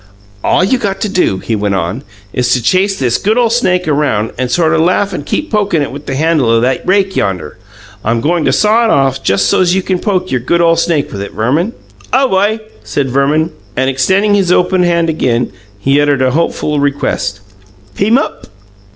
"All you got to do," he went on, "is to chase this good ole snake around, and sort o' laugh and keep pokin' it with the handle o' that rake yonder. I'm goin' to saw it off just so's you can poke your good ole snake with it, Verman." "Aw wi," said Verman, and, extending his open hand again, he uttered a hopeful request. "Peamup?"